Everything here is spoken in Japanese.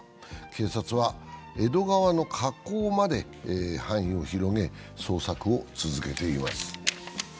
警察は、江戸川の河口まで範囲を広げ、捜索を続けています。